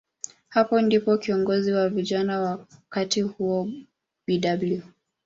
Hapo ndipo kiongozi wa vijana wakati huo, Bw.